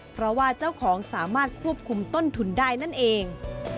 เพราะว่าเจ้าของสามารถควบคุมต้นทุนได้นั่นเอง